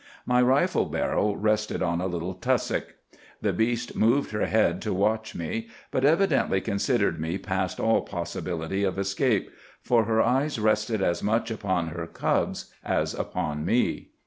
My rifle barrel rested on a little tussock. The beast moved her head to watch me, but evidently considered me past all possibility of escape, for her eyes rested as much upon her cubs as upon me.